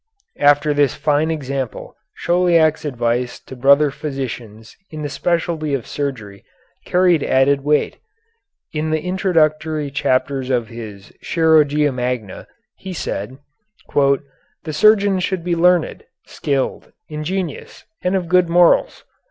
After this fine example, Chauliac's advice to brother physicians in the specialty of surgery carried added weight. In the Introductory chapter of his "Chirurgia Magna" he said: "The surgeon should be learned, skilled, ingenious, and of good morals.